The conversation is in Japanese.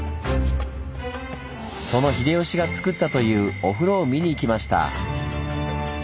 その秀吉がつくったというお風呂を見にいきました。